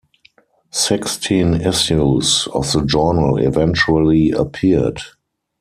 Sixteen issues of the journal eventually appeared.